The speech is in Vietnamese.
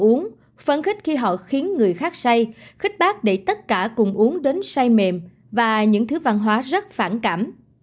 êp họ uống phấn khích khi họ khiến người khác say khích bác để tất cả cùng uống đến say mềm và những thứ văn hóa rất phản cảm